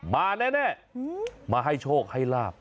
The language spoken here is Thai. มาแน่มาให้โชคให้ลาบ